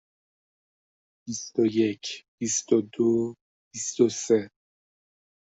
بیست و یک، بیست و دو، بیست و سه.